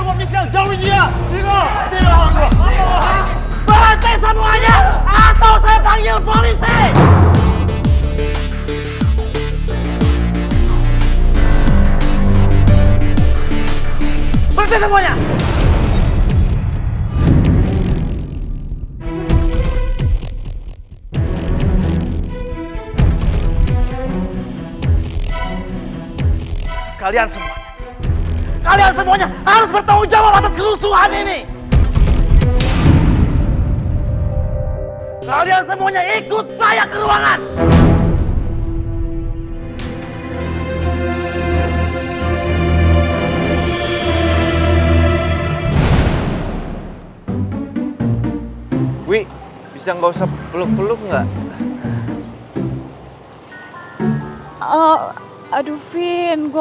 kalian semuanya harus bertanggung jawab atas kerusuhan ini